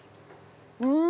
うん！